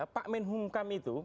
pak menkumham itu